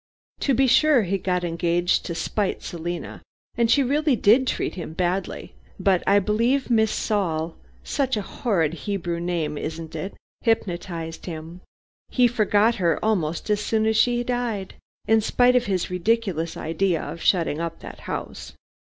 To be sure, he got engaged to spite Selina, and she really did treat him badly, but I believe Miss Saul such a horrid Hebrew name, isn't it hypnotized him. He forgot her almost as soon as she died, in spite of his ridiculous idea of shutting up that house.